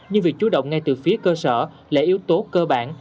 nhưng việc chú động ngay từ phía cơ sở là yếu tố cơ bản